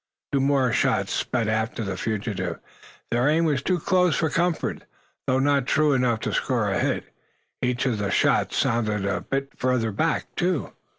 Two more shots sped after the fugitive. Their aim was too close for comfort, though not true enough to score a hit. Each of the shots sounded a bit further back, too.